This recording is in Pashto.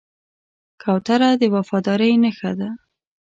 کوتره د وفادارۍ نښه ده.